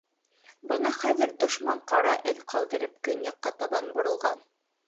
Бына хәҙер дошман ҡара эҙ ҡалдырып көньяҡҡа табан боролған.